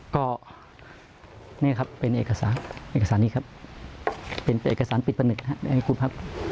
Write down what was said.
ก็เนี่ยครับเป็นเอกสารเอกสารนี้ครับเป็นเอกสารปิดประหนึ่งนะครับ